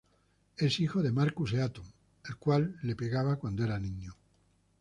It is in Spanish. Es hijo de Marcus Eaton, el cual le pegaba cuando era niño.